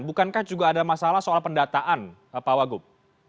bukankah juga ada masalah soal pendataan pak wagub